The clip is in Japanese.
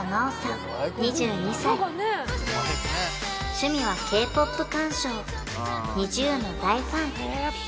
趣味はＫ−ＰＯＰ鑑賞ＮｉｚｉＵの大ファン